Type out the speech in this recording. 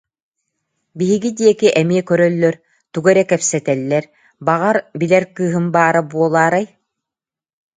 Биһиги диэки эмиэ көрөллөр, тугу эрэ кэпсэтэллэр, баҕар, билэр кыыһым баара буолаарай